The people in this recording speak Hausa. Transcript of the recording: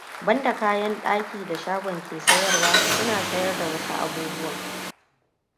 Banda kayan ɗaki da shagon ke sayarwa suna sayar da wasu abubuwan.